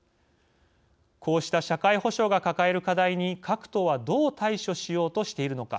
こうした社会保障が抱える課題に各党はどう対処しようとしているのか。